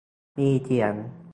มีเสียง